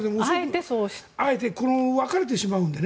あえて分かれてしまうので。